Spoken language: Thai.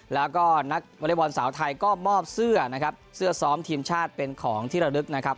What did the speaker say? แล้วก็นักวอเล็กบอลสาวไทยก็มอบเสื้อนะครับเสื้อซ้อมทีมชาติเป็นของที่ระลึกนะครับ